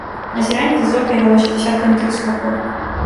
Назіранне за зоркай вялося дзясяткамі тэлескопаў.